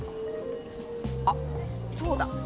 あっそうだ！